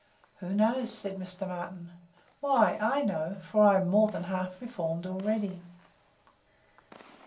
Who knows? said Mr. Martin: Why, I know; for I am more than half reformed already.